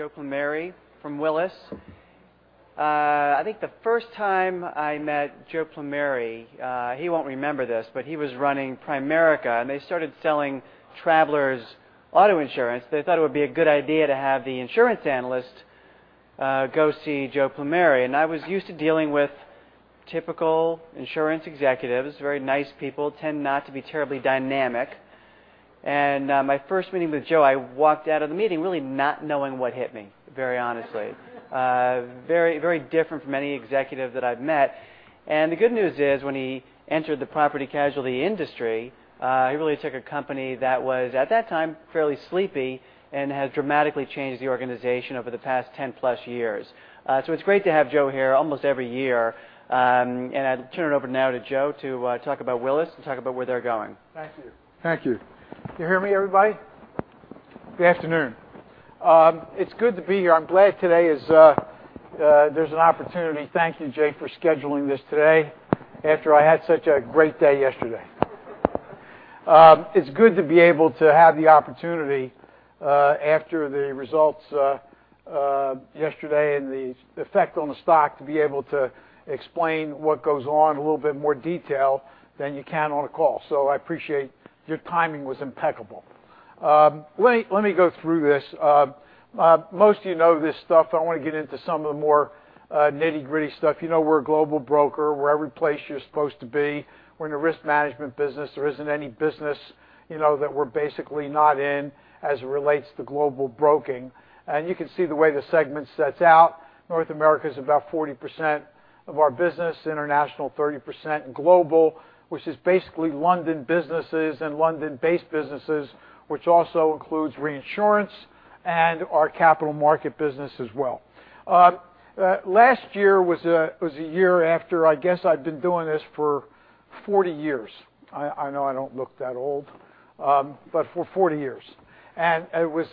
Joe Plumeri from Willis. I think the first time I met Joe Plumeri, he won't remember this, but he was running Primerica, and they started selling Travelers auto insurance. They thought it would be a good idea to have the insurance analyst go see Joe Plumeri. I was used to dealing with typical insurance executives, very nice people, tend not to be terribly dynamic. My first meeting with Joe, I walked out of the meeting really not knowing what hit me, very honestly. Very different from any executive that I've met. The good news is, when he entered the property casualty industry, he really took a company that was, at that time, fairly sleepy, and has dramatically changed the organization over the past 10-plus years. It's great to have Joe here almost every year. I turn it over now to Joe to talk about Willis and talk about where they're going. Thank you. Thank you. Can you hear me, everybody? Good afternoon. It's good to be here. I'm glad today there's an opportunity. Thank you, Jay, for scheduling this today, after I had such a great day yesterday. It's good to be able to have the opportunity, after the results yesterday and the effect on the stock, to be able to explain what goes on in a little bit more detail than you can on a call. I appreciate your timing was impeccable. Let me go through this. Most of you know this stuff, but I want to get into some of the more nitty-gritty stuff. You know we're a global broker. We're every place you're supposed to be. We're in the risk management business. There isn't any business that we're basically not in as it relates to global broking. You can see the way the segment sets out. North America is about 40% of our business, international 30%, and global, which is basically London businesses and London-based businesses, which also includes reinsurance and our capital market business as well. Last year was a year after, I guess I've been doing this for 40 years. I know I don't look that old. For 40 years. It was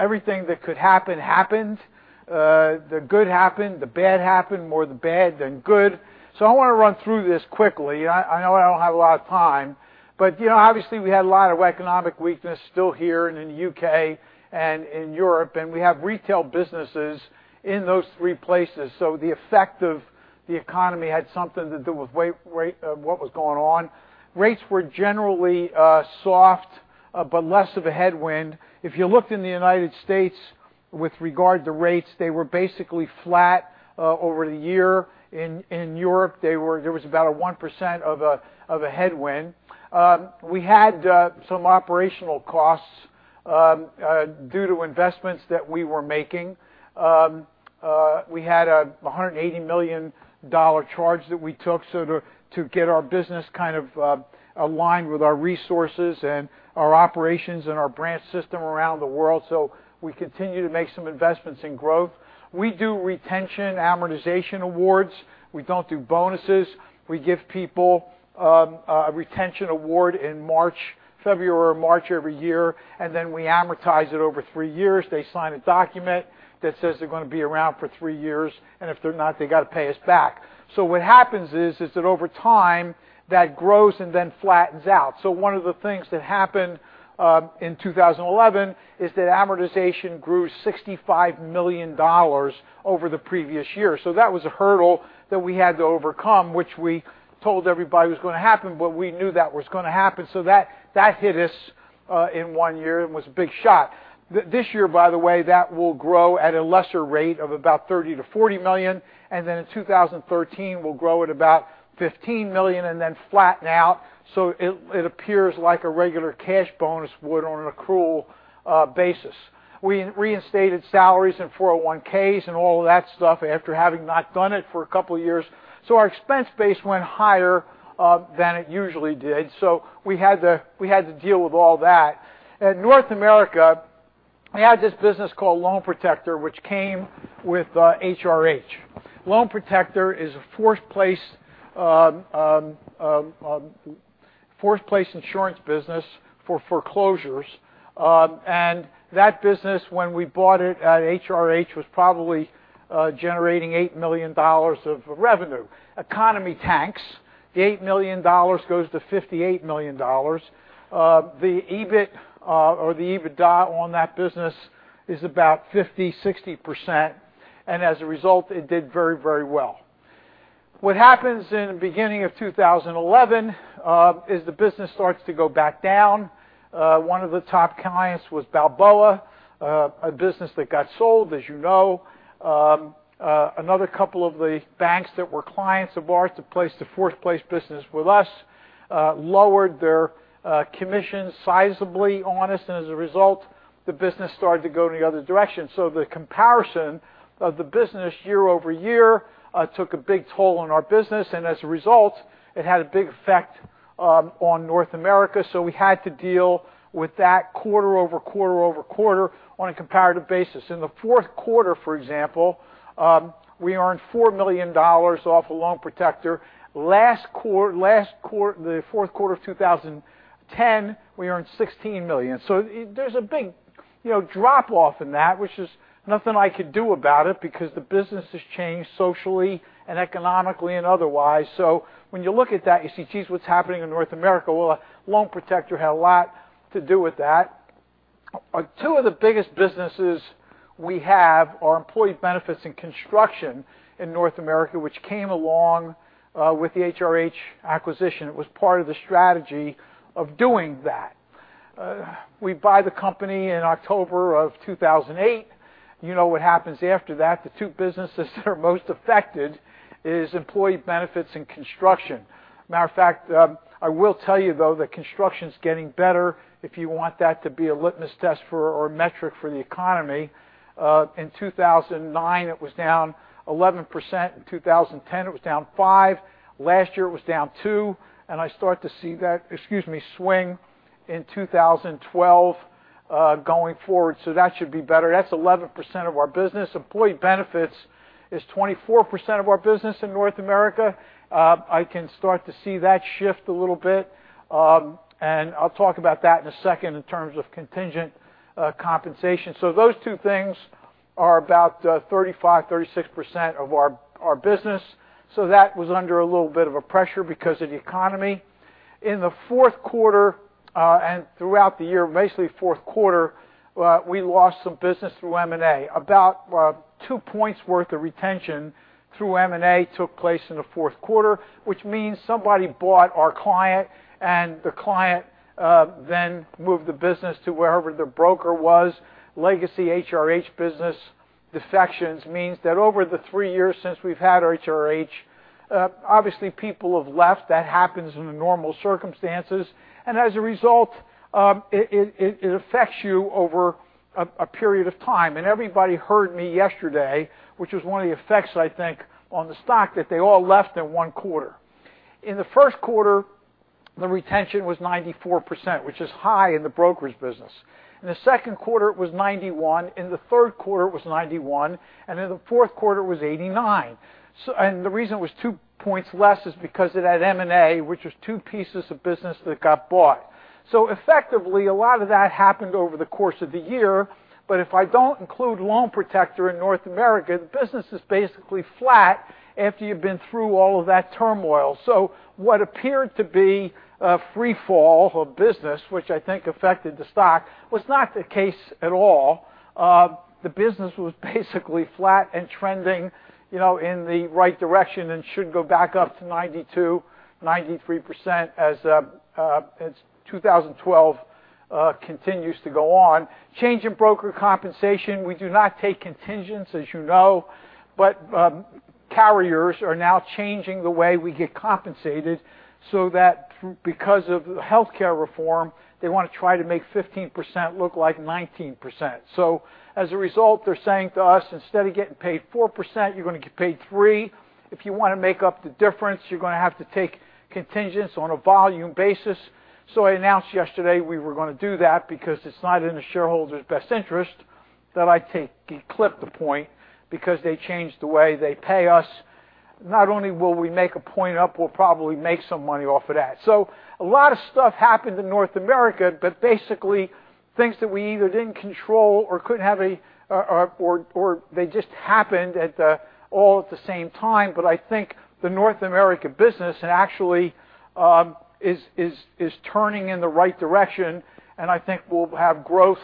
everything that could happen, happened. The good happened, the bad happened, more the bad than good. I want to run through this quickly. I know I don't have a lot of time. Obviously, we had a lot of economic weakness still here and in the U.K. and in Europe, and we have retail businesses in those three places. The effect of the economy had something to do with what was going on. Rates were generally soft, but less of a headwind. If you looked in the U.S. with regard to rates, they were basically flat over the year. In Europe, there was about a 1% of a headwind. We had some operational costs due to investments that we were making. We had a $180 million charge that we took to get our business kind of aligned with our resources and our operations and our branch system around the world. We continue to make some investments in growth. We do retention amortization awards. We don't do bonuses. We give people a retention award in March, February or March every year, and then we amortize it over three years. They sign a document that says they're going to be around for three years, and if they're not, they got to pay us back. What happens is that over time, that grows and then flattens out. One of the things that happened in 2011 is that amortization grew $65 million over the previous year. That was a hurdle that we had to overcome, which we told everybody was going to happen, but we knew that was going to happen. That hit us in one year and was a big shot. This year, by the way, that will grow at a lesser rate of about $30 million-$40 million, and then in 2013 will grow at about $15 million and then flatten out. It appears like a regular cash bonus would on an accrual basis. We reinstated salaries and 401Ks and all of that stuff after having not done it for a couple of years. Our expense base went higher than it usually did. We had to deal with all that. At North America, we had this business called Loan Protector, which came with HRH. Loan Protector is a force-placed insurance business for foreclosures. That business, when we bought it at HRH, was probably generating $8 million of revenue. Economy tanks, the $8 million goes to $58 million. The EBIT or the EBITDA on that business is about 50%-60%, and as a result, it did very, very well. What happens in the beginning of 2011 is the business starts to go back down. One of the top clients was Balboa, a business that got sold, as you know. Another couple of the banks that were clients of ours that placed a force-placed business with us lowered their commissions sizably on us, and as a result, the business started to go in the other direction. The comparison of the business year-over-year took a big toll on our business, and as a result, it had a big effect on North America. We had to deal with that quarter over quarter over quarter on a comparative basis. In the fourth quarter, for example, we earned $4 million off of Loan Protector. Last quarter, the fourth quarter of 2010, we earned $16 million. There's a big drop-off in that, which is nothing I could do about it because the business has changed socially and economically and otherwise. When you look at that, you see, geez, what's happening in North America? Well, Loan Protector had a lot to do with that. Two of the biggest businesses we have are employee benefits and construction in North America, which came along with the HRH acquisition. It was part of the strategy of doing that. We buy the company in October of 2008. You know what happens after that. The two businesses that are most affected is employee benefits and construction. Matter of fact, I will tell you though, that construction's getting better, if you want that to be a litmus test for or a metric for the economy. In 2009, it was down 11%. In 2010, it was down 5%. Last year, it was down 2%, and I start to see that, excuse me, swing in 2012, going forward. That should be better. That's 11% of our business. Employee benefits is 24% of our business in North America. I can start to see that shift a little bit. I'll talk about that in a second in terms of contingent compensation. Those two things are about 35%, 36% of our business. That was under a little bit of a pressure because of the economy. In the fourth quarter, and throughout the year, basically fourth quarter, we lost some business through M&A. About two points worth of retention through M&A took place in the fourth quarter, which means somebody bought our client and the client, then moved the business to wherever the broker was. Legacy HRH business defections means that over the three years since we've had HRH, obviously people have left. That happens in the normal circumstances. As a result, it affects you over a period of time. Everybody heard me yesterday, which was one of the effects, I think, on the stock, that they all left in one quarter. In the first quarter, the retention was 94%, which is high in the brokers' business. In the second quarter, it was 91%. In the third quarter, it was 91%, and in the fourth quarter, it was 89%. The reason it was two points less is because of that M&A, which was two pieces of business that got bought. Effectively, a lot of that happened over the course of the year, but if I don't include Loan Protector in North America, the business is basically flat after you've been through all of that turmoil. What appeared to be a free fall of business, which I think affected the stock, was not the case at all. The business was basically flat and trending in the right direction and should go back up to 92%, 93% as 2012 continues to go on. Change in broker compensation, we do not take contingents, as you know. Carriers are now changing the way we get compensated so that because of healthcare reform, they want to try to make 15% look like 19%. As a result, they're saying to us, "Instead of getting paid 4%, you're going to get paid 3%. If you want to make up the difference, you're going to have to take contingents on a volume basis." I announced yesterday we were going to do that because it's not in the shareholders' best interest that I take and clip the point because they changed the way they pay us. Not only will we make a point up, we'll probably make some money off of that. A lot of stuff happened in North America, but basically things that we either didn't control or they just happened all at the same time. I think the North America business actually is turning in the right direction, and I think we'll have growth,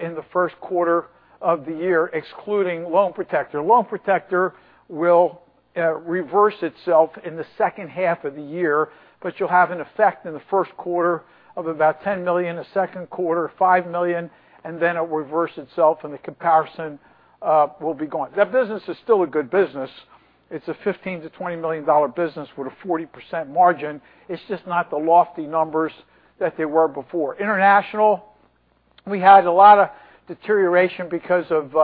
in the first quarter of the year, excluding Loan Protector. Loan Protector will reverse itself in the second half of the year, but you'll have an effect in the first quarter of about $10 million, the second quarter, $5 million, and then it will reverse itself, and the comparison will be gone. That business is still a good business. It's a $15 million-$20 million business with a 40% margin. It's just not the lofty numbers that they were before. International, we had a lot of deterioration because of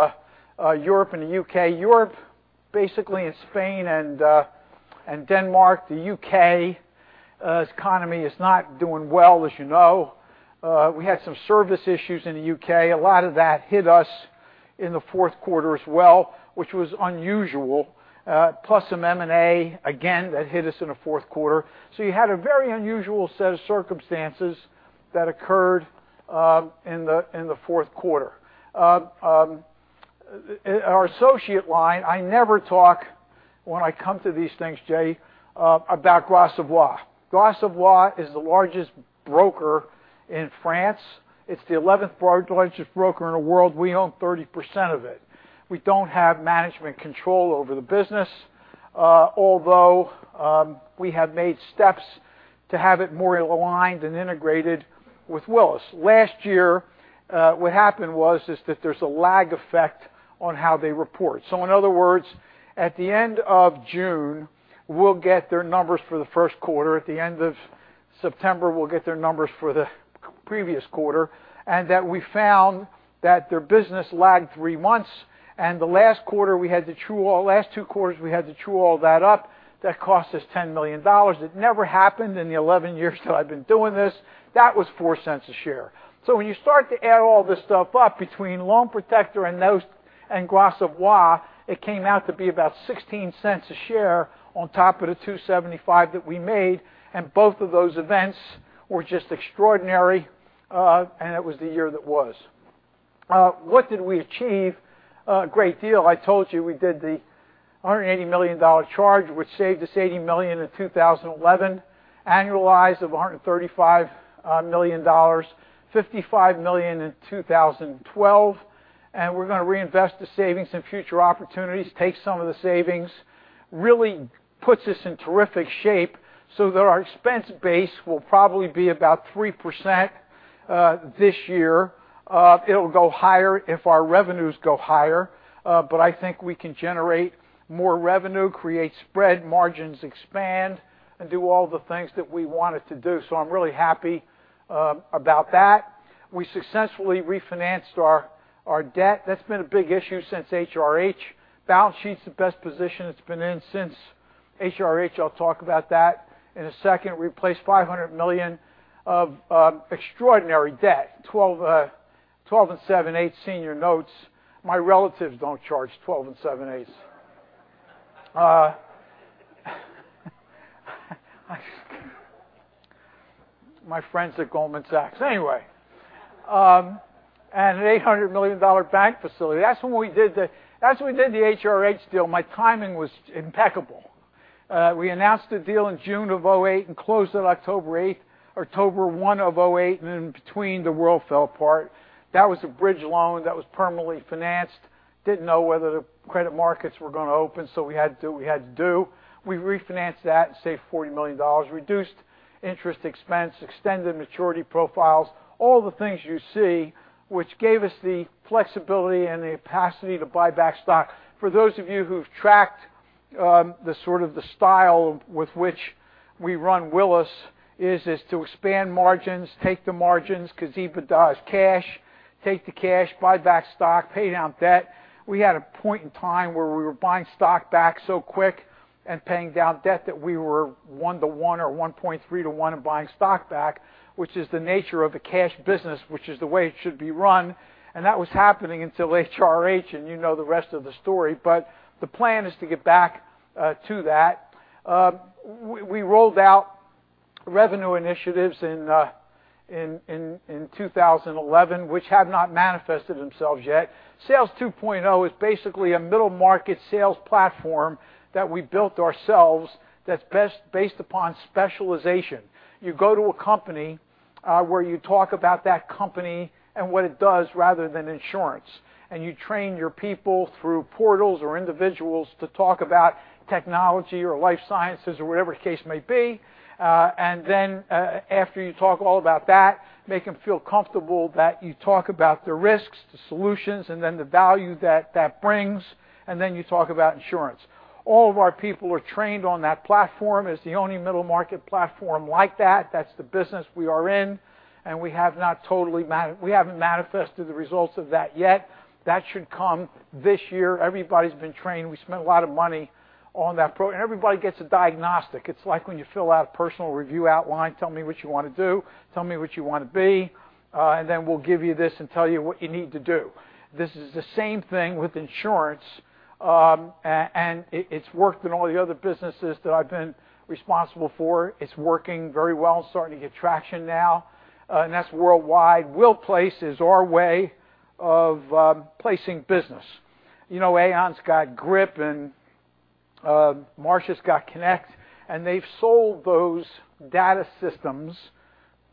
Europe and the U.K. Europe, basically in Spain and Denmark. The U.K.'s economy is not doing well as you know. We had some service issues in the U.K. A lot of that hit us in the fourth quarter as well, which was unusual. Plus some M&A, again, that hit us in the fourth quarter. You had a very unusual set of circumstances that occurred in the fourth quarter. Our associate line, I never talk when I come to these things, Jay, about Gras Savoye. Gras Savoye is the largest broker in France. It's the 11th largest broker in the world. We own 30% of it. We don't have management control over the business, although, we have made steps to have it more aligned and integrated with Willis. Last year, what happened was is that there's a lag effect on how they report. In other words, at the end of June, we'll get their numbers for the first quarter. At the end of September, we'll get their numbers for the previous quarter, and that we found that their business lagged three months, and the last two quarters, we had to true all that up. That cost us $10 million. It never happened in the 11 years that I've been doing this. That was $0.04 a share. When you start to add all this stuff up between Loan Protector and Gras Savoye, it came out to be about $0.16 a share on top of the $2.75 that we made, and both of those events were just extraordinary. It was the year that was. What did we achieve? A great deal. I told you we did the $180 million charge, which saved us $80 million in 2011, annualized of $135 million, $55 million in 2012. We're going to reinvest the savings in future opportunities, take some of the savings, really puts us in terrific shape so that our expense base will probably be about 3% this year. It'll go higher if our revenues go higher. I think we can generate more revenue, create spread margins, expand, and do all the things that we wanted to do. I'm really happy about that. We successfully refinanced our debt. That's been a big issue since HRH. Balance sheet is the best position it's been in since HRH. I'll talk about that in a second. Replaced $500 million of extraordinary debt, 12 7/8% senior notes. My relatives don't charge 12 and 7/8. My friends at Goldman Sachs. Anyway, an $800 million bank facility. That's when we did the HRH deal. My timing was impeccable. We announced the deal in June of 2008 and closed it October 1 of 2008, in between, the world fell apart. That was a bridge loan that was permanently financed. Didn't know whether the credit markets were going to open, we had to do what we had to do. We refinanced that and saved $40 million, reduced interest expense, extended maturity profiles, all the things you see which gave us the flexibility and the capacity to buy back stock. For those of you who've tracked the style with which we run Willis is to expand margins, take the margins because EBITDA is cash, take the cash, buy back stock, pay down debt. We had a point in time where we were buying stock back so quick and paying down debt that we were one-to-one or 1.3-to-one in buying stock back, which is the nature of a cash business, which is the way it should be run. That was happening until HRH, you know the rest of the story. The plan is to get back to that. We rolled out revenue initiatives in 2011, which have not manifested themselves yet. Sales 2.0 is basically a middle-market sales platform that we built ourselves that's based upon specialization. You go to a company where you talk about that company and what it does rather than insurance, you train your people through portals or individuals to talk about technology or life sciences or whatever case may be. After you talk all about that, make them feel comfortable that you talk about the risks, the solutions, the value that that brings, you talk about insurance. All of our people are trained on that platform. It's the only middle-market platform like that. That's the business we are in, we haven't manifested the results of that yet. That should come this year. Everybody's been trained. We spent a lot of money on that. Everybody gets a diagnostic. It's like when you fill out a personal review outline, tell me what you want to do, tell me what you want to be, we'll give you this and tell you what you need to do. This is the same thing with insurance, it's worked in all the other businesses that I've been responsible for. It's working very well, starting to get traction now, and that's worldwide. WillPLACE is our way of placing business. Aon's got GRIP and Marsh has got MarshConnect, and they've sold those data systems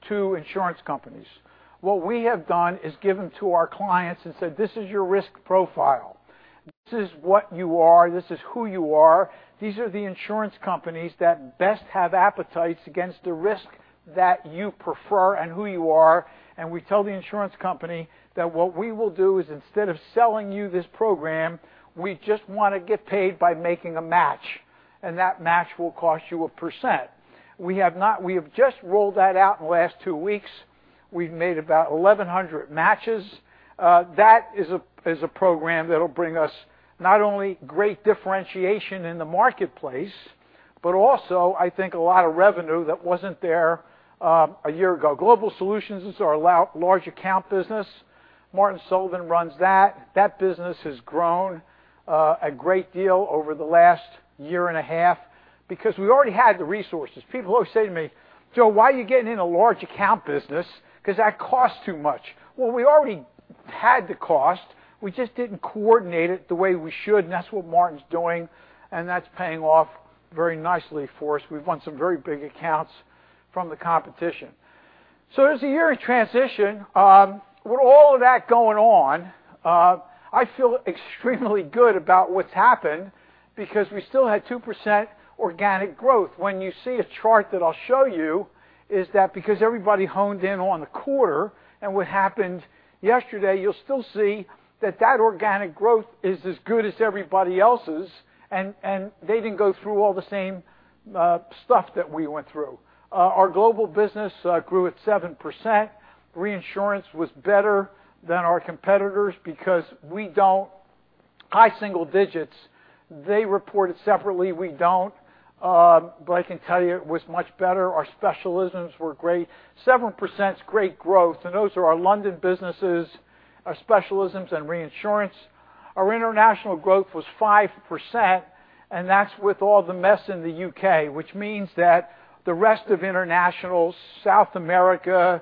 to insurance companies. What we have done is given to our clients and said, "This is your risk profile. This is what you are. This is who you are. These are the insurance companies that best have appetites against the risk that you prefer and who you are." We tell the insurance company that what we will do is instead of selling you this program, we just want to get paid by making a match, and that match will cost you 1%. We have just rolled that out in the last 2 weeks. We've made about 1,100 matches. That is a program that'll bring us not only great differentiation in the marketplace, but also, I think a lot of revenue that wasn't there a year ago. Willis Global Solutions is our large account business. Martin Sullivan runs that. That business has grown a great deal over the last year and a half because we already had the resources. People always say to me, "Joe, why are you getting in a large account business? Because that costs too much." Well, we already had the cost. We just didn't coordinate it the way we should, and that's what Martin's doing, and that's paying off very nicely for us. We've won some very big accounts from the competition. As a year of transition, with all of that going on, I feel extremely good about what's happened because we still had 2% organic growth. When you see a chart that I'll show you is that because everybody honed in on the quarter and what happened yesterday, you'll still see that that organic growth is as good as everybody else's, and they didn't go through all the same stuff that we went through. Our global business grew at 7%. Reinsurance was better than our competitors because we don't High single digits, they report it separately, we don't. I can tell you it was much better. Our specialisms were great. 7% is great growth, those are our London businesses, our specialisms and reinsurance. Our international growth was 5%, and that's with all the mess in the U.K., which means that the rest of international, South America,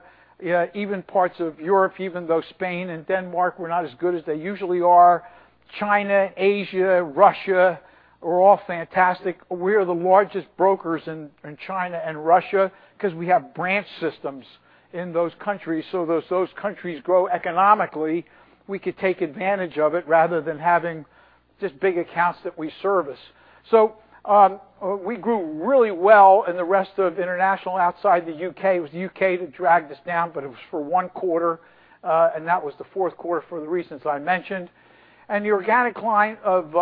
even parts of Europe, even though Spain and Denmark were not as good as they usually are, China, Asia, Russia, were all fantastic. We are the largest brokers in China and Russia because we have branch systems in those countries. As those countries grow economically, we could take advantage of it, rather than having just big accounts that we service. We grew really well in the rest of international outside the U.K. It was U.K. that dragged us down, it was for one quarter, and that was the fourth quarter for the reasons I mentioned. The organic line of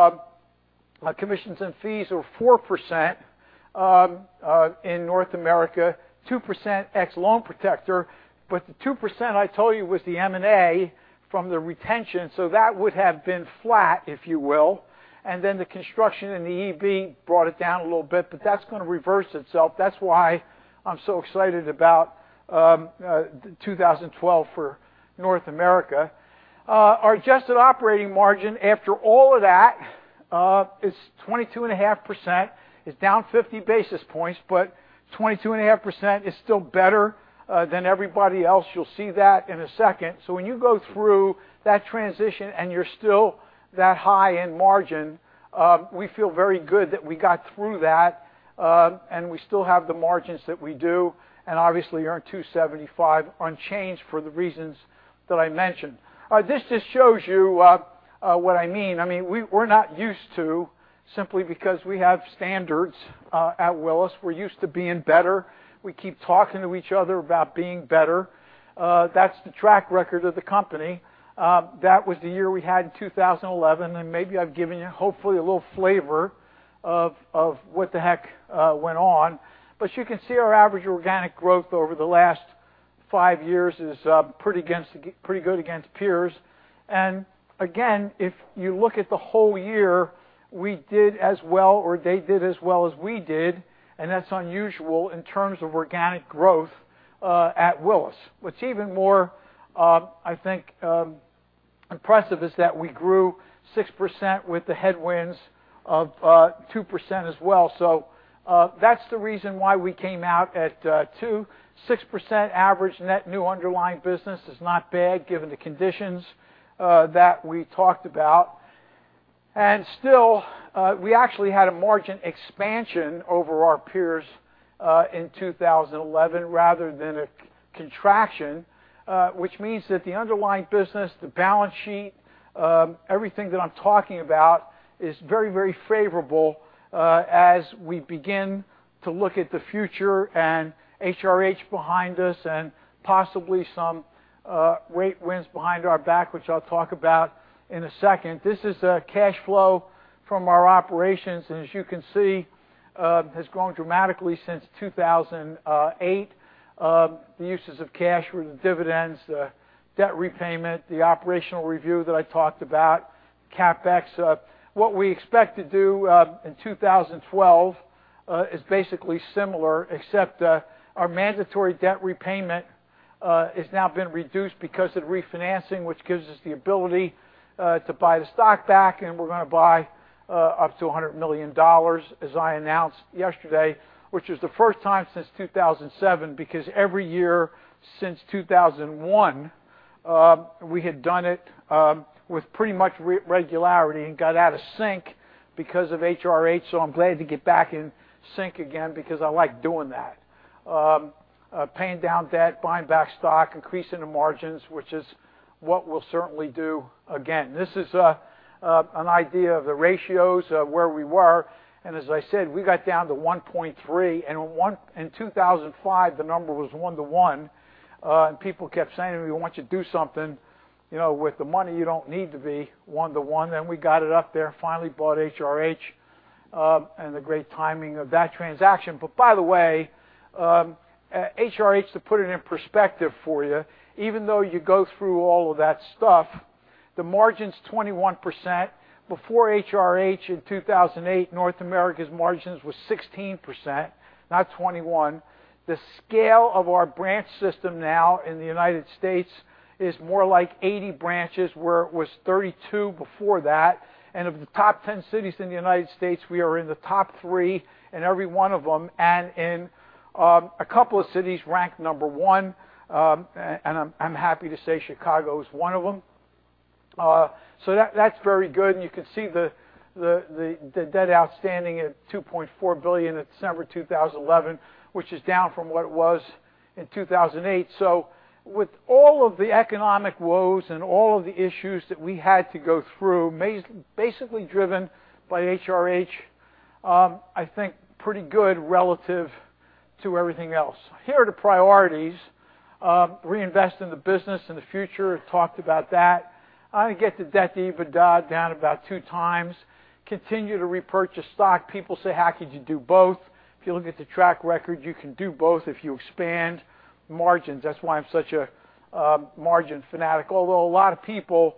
commissions and fees were 4% in North America, 2% ex Loan Protector. The 2%, I told you, was the M&A from the retention, so that would have been flat, if you will. The construction in the EB brought it down a little bit, but that's going to reverse itself. That's why I'm so excited about 2012 for North America. Our adjusted operating margin, after all of that, is 22.5%. It's down 50 basis points, but 22.5% is still better than everybody else. You'll see that in a second. When you go through that transition and you're still that high in margin, we feel very good that we got through that, and we still have the margins that we do, and obviously earn $275 unchanged for the reasons that I mentioned. This just shows you what I mean. We're not used to simply because we have standards at Willis, we're used to being better. We keep talking to each other about being better. That's the track record of the company. That was the year we had in 2011, and maybe I've given you, hopefully, a little flavor of what the heck went on. You can see our average organic growth over the last five years is pretty good against peers. Again, if you look at the whole year, we did as well, or they did as well as we did, and that's unusual in terms of organic growth at Willis. What's even more, I think, impressive is that we grew 6% with the headwinds of 2% as well. That's the reason why we came out at 26% average net new underlying business is not bad given the conditions that we talked about. Still, we actually had a margin expansion over our peers in 2011 rather than a contraction, which means that the underlying business, the balance sheet, everything that I'm talking about is very, very favorable as we begin to look at the future and HRH behind us and possibly some rate wins behind our back, which I'll talk about in a second. This is a cash flow from our operations, and as you can see, has grown dramatically since 2008. The uses of cash were the dividends, debt repayment, the operational review that I talked about, CapEx. What we expect to do in 2012 is basically similar, except our mandatory debt repayment is now been reduced because of refinancing, which gives us the ability to buy the stock back, and we're going to buy up to $100 million, as I announced yesterday, which is the first time since 2007, because every year since 2001, we had done it with pretty much regularity and got out of sync because of HRH. I'm glad to get back in sync again because I like doing that. Paying down debt, buying back stock, increasing the margins, which is what we'll certainly do again. This is an idea of the ratios of where we were, and as I said, we got down to 1.3, and in 2005, the number was one to one. People kept saying, "We want you to do something with the money. You don't need to be one to one." We got it up there, finally bought HRH, and the great timing of that transaction. By the way, HRH, to put it in perspective for you, even though you go through all of that stuff, the margin's 21%. Before HRH in 2008, North America's margins were 16%, not 21. The scale of our branch system now in the United States is more like 80 branches, where it was 32 before that. Of the top 10 cities in the United States, we are in the top three in every one of them, and in a couple of cities, ranked number one, and I'm happy to say Chicago is one of them. That's very good, and you can see the debt outstanding at $2.4 billion at December 2011, which is down from what it was in 2008. With all of the economic woes and all of the issues that we had to go through, basically driven by HRH, I think pretty good relative to everything else. Here are the priorities. Reinvest in the business in the future. I talked about that. I get the debt-to-EBITDA down about two times. Continue to repurchase stock. People say, "How could you do both?" If you look at the track record, you can do both if you expand margins. That's why I'm such a margin fanatic. Although a lot of people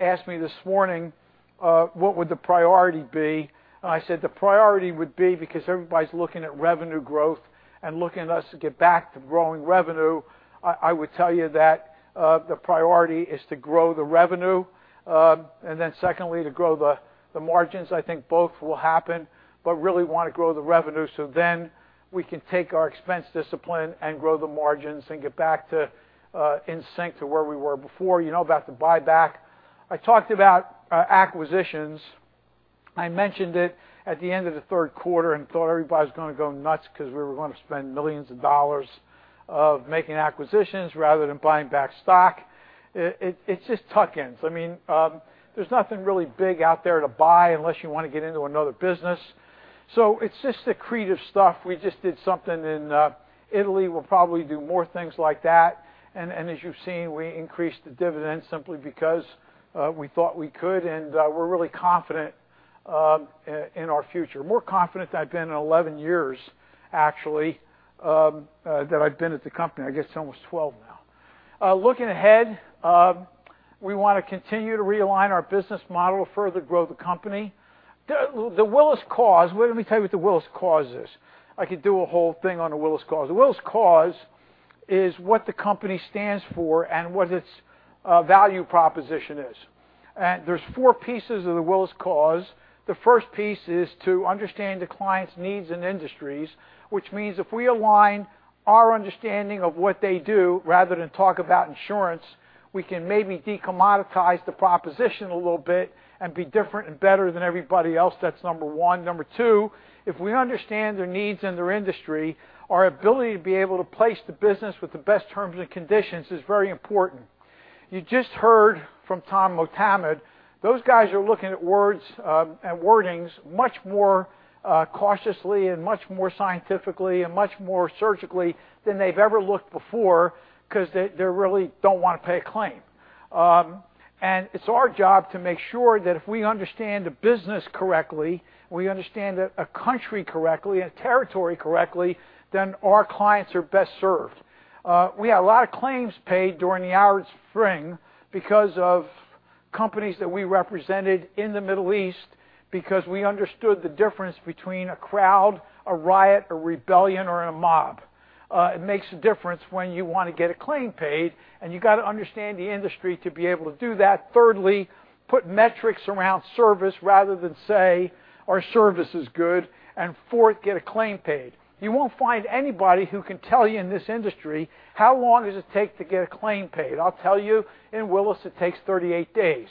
asked me this morning What would the priority be? I said the priority would be because everybody's looking at revenue growth and looking at us to get back to growing revenue. I would tell you that the priority is to grow the revenue, and then secondly, to grow the margins. I think both will happen, but really want to grow the revenue so then we can take our expense discipline and grow the margins and get back to in sync to where we were before. You know about the buyback. I talked about acquisitions. I mentioned it at the end of the third quarter and thought everybody was going to go nuts because we were going to spend $millions of making acquisitions rather than buying back stock. It's just tuck-ins. There's nothing really big out there to buy unless you want to get into another business. It's just accretive stuff. We just did something in Italy. We'll probably do more things like that. As you've seen, we increased the dividend simply because we thought we could, and we're really confident in our future. More confident than I've been in 11 years, actually, that I've been at the company. I guess it's almost 12 now. Looking ahead, we want to continue to realign our business model, further grow the company. The Willis Cause, let me tell you what The Willis Cause is. I could do a whole thing on The Willis Cause. The Willis Cause is what the company stands for and what its value proposition is. There's four pieces of The Willis Cause. The first piece is to understand the client's needs and industries, which means if we align our understanding of what they do, rather than talk about insurance, we can maybe decommoditize the proposition a little bit and be different and better than everybody else. That's number one. Number two, if we understand their needs and their industry, our ability to be able to place the business with the best terms and conditions is very important. You just heard from Tom Motamed. Those guys are looking at wordings much more cautiously and much more scientifically and much more surgically than they've ever looked before because they really don't want to pay a claim. It's our job to make sure that if we understand the business correctly, we understand a country correctly and a territory correctly, then our clients are best served. We had a lot of claims paid during the Arab Spring because of companies that we represented in the Middle East, because we understood the difference between a crowd, a riot, a rebellion, or a mob. It makes a difference when you want to get a claim paid, and you got to understand the industry to be able to do that. Thirdly, put metrics around service rather than say our service is good, and fourth, get a claim paid. You won't find anybody who can tell you in this industry how long does it take to get a claim paid. I'll tell you in Willis it takes 38 days.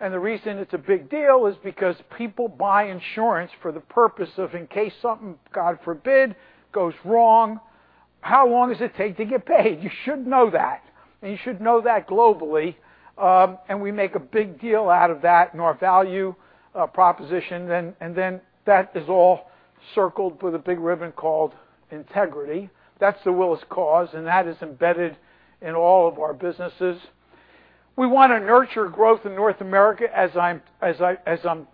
The reason it's a big deal is because people buy insurance for the purpose of in case something, God forbid, goes wrong. How long does it take to get paid? You should know that, and you should know that globally. We make a big deal out of that in our value proposition. Then that is all circled with a big ribbon called integrity. That's The Willis Cause, and that is embedded in all of our businesses. We want to nurture growth in North America. As I'm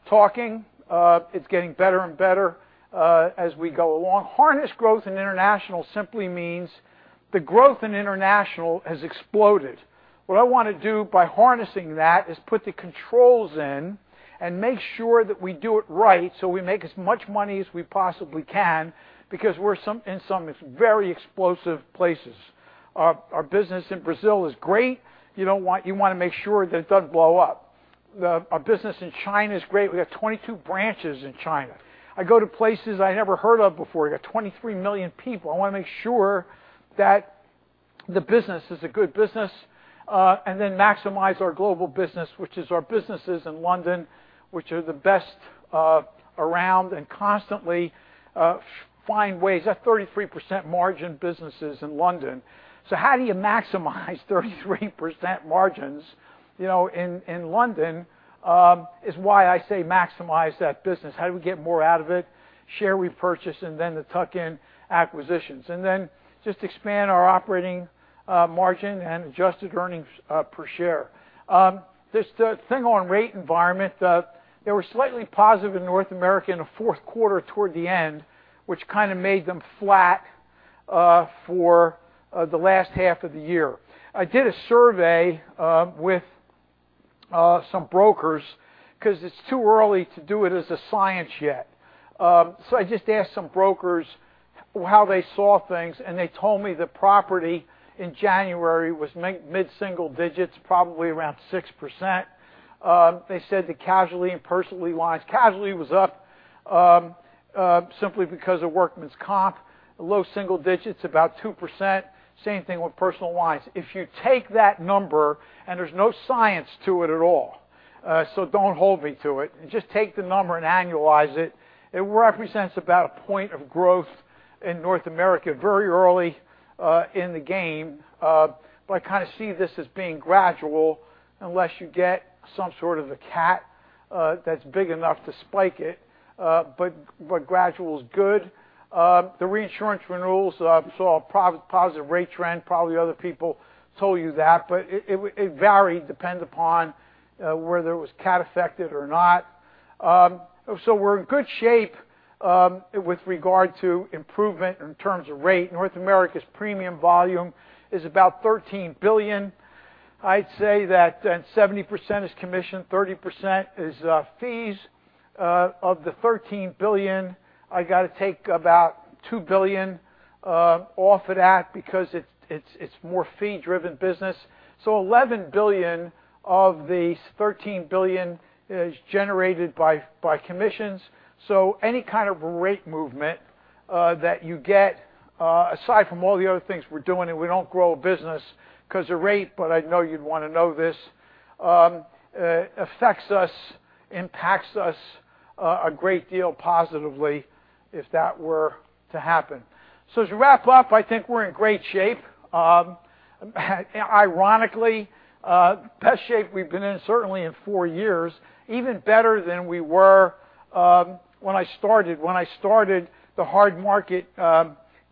talking, it's getting better and better as we go along. Harness growth in international simply means the growth in international has exploded. What I want to do by harnessing that is put the controls in and make sure that we do it right so we make as much money as we possibly can because we're in some very explosive places. Our business in Brazil is great. You want to make sure that it doesn't blow up. Our business in China is great. We got 22 branches in China. I go to places I never heard of before. We got 23 million people. I want to make sure that the business is a good business, then maximize our global business, which is our businesses in London, which are the best around and constantly find ways. That's 33% margin businesses in London. So how do you maximize 33% margins in London is why I say maximize that business. How do we get more out of it? Share repurchase, then the tuck-in acquisitions. Then just expand our operating margin and adjusted earnings per share. This thing on rate environment, they were slightly positive in North America in the fourth quarter toward the end, which kind of made them flat for the last half of the year. I did a survey with some brokers because it's too early to do it as a science yet. I just asked some brokers how they saw things, and they told me the property in January was mid-single digits, probably around 6%. They said the casualty and personal lines, casualty was up simply because of workers' comp, low single digits, about 2%. Same thing with personal lines. If you take that number, there's no science to it at all, don't hold me to it. Just take the number and annualize it. It represents about a point of growth in North America very early in the game. I kind of see this as being gradual unless you get some sort of a cat that's big enough to spike it. Gradual is good. The reinsurance renewals saw a positive rate trend. Probably other people told you that, it varied, depends upon whether it was cat affected or not. We're in good shape with regard to improvement in terms of rate. North America's premium volume is about $13 billion. I'd say that 70% is commission, 30% is fees. Of the $13 billion, I got to take about $2 billion off of that because it's more fee-driven business. $11 billion of the $13 billion is generated by commissions. Any kind of rate movement that you get, aside from all the other things we're doing, we don't grow a business because of rate, I'd know you'd want to know this, affects us, impacts us a great deal positively if that were to happen. To wrap up, I think we're in great shape. Ironically, best shape we've been in, certainly in four years. Even better than we were when I started. When I started, the hard market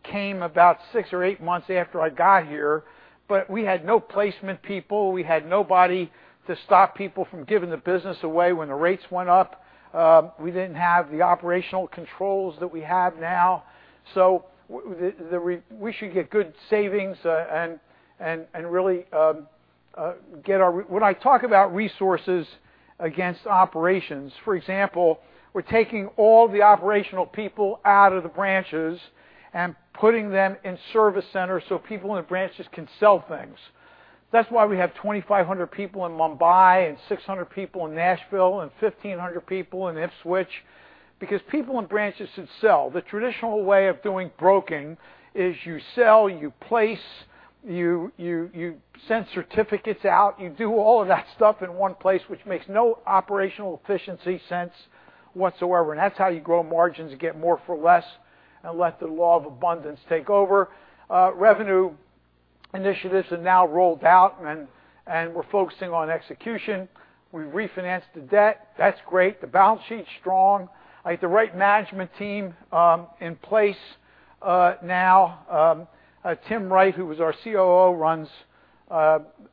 came about six or eight months after I got here. We had no placement people. We had nobody to stop people from giving the business away when the rates went up. We didn't have the operational controls that we have now. We should get good savings. When I talk about resources against operations, for example, we're taking all the operational people out of the branches and putting them in service centers so people in the branches can sell things. That's why we have 2,500 people in Mumbai and 600 people in Nashville and 1,500 people in Ipswich, because people in branches should sell. The traditional way of doing broking is you sell, you place, you send certificates out. You do all of that stuff in one place, which makes no operational efficiency sense whatsoever. That's how you grow margins and get more for less and let the law of abundance take over. Revenue initiatives are now rolled out, we're focusing on execution. We refinanced the debt. That's great. The balance sheet's strong. I have the right management team in place now. Tim Wright, who was our COO, runs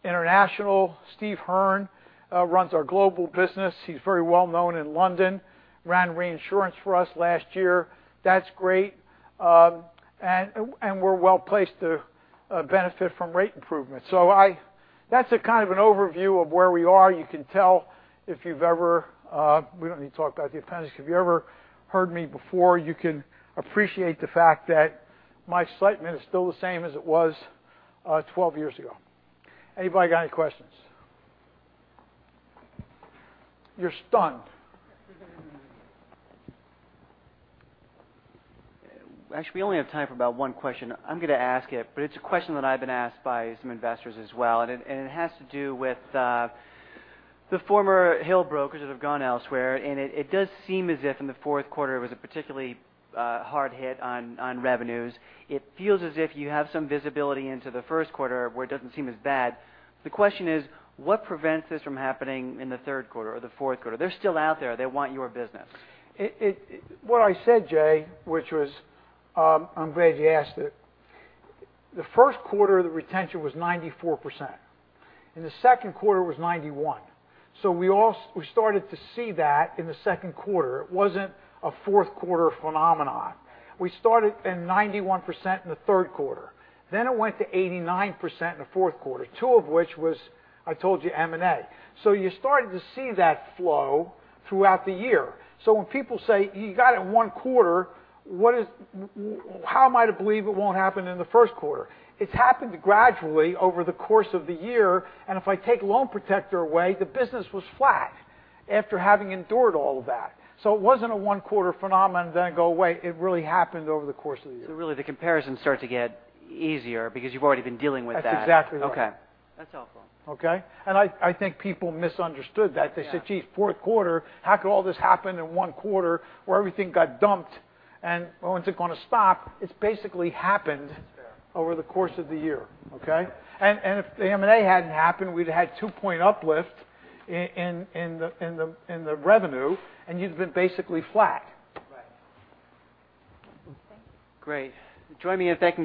international. Steve Hearn runs our global business. He's very well known in London. Ran reinsurance for us last year. That's great. We're well-placed to benefit from rate improvement. That's a kind of an overview of where we are. We don't need to talk about the appendix. If you ever heard me before, you can appreciate the fact that my statement is still the same as it was 12 years ago. Anybody got any questions? You're stunned. Actually, we only have time for about one question. I'm going to ask it, but it's a question that I've been asked by some investors as well. It has to do with the former HRH brokers that have gone elsewhere. It does seem as if in the fourth quarter was a particularly hard hit on revenues. It feels as if you have some visibility into the first quarter where it doesn't seem as bad. The question is, what prevents this from happening in the third quarter or the fourth quarter? They're still out there. They want your business. What I said, Jay, which was, I'm glad you asked it. The first quarter, the retention was 94%, and the second quarter was 91%. We started to see that in the second quarter. It wasn't a fourth quarter phenomenon. We started at 91% in the third quarter. It went to 89% in the fourth quarter, two of which was, I told you, M&A. You started to see that flow throughout the year. When people say, "You got it in one quarter, how am I to believe it won't happen in the first quarter?" It's happened gradually over the course of the year. If I take Loan Protector away, the business was flat after having endured all of that. It wasn't a one-quarter phenomenon. It go away. It really happened over the course of the year. Really, the comparison start to get easier because you've already been dealing with that. That's exactly right. Okay. That's helpful. Okay. I think people misunderstood that. Yeah. They said, "Geez, fourth quarter. How could all this happen in one quarter where everything got dumped, and when's it going to stop? Yeah over the course of the year. Okay? If the M&A hadn't happened, we'd have had two-point uplift in the revenue, and you'd have been basically flat. Right. Great. Join me in thanking